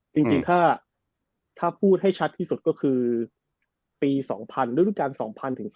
จริงถ้าพูดให้ชัดที่สุดก็คือปี๒๐๐๐โดยทุกครั้ง๒๐๐๐ถึง๒๐๐๑